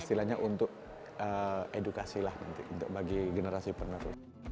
istilahnya untuk edukasi lah nanti untuk bagi generasi penerus